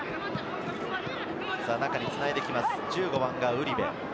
中につないできます、１５番がウリベ。